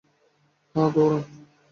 হ্যাঁ, দৌঁড়ান।